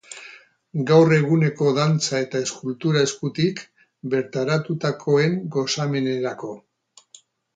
Gaur eguneko dantza eta eskultura eskutik, bertaratutakoen gozamenerako.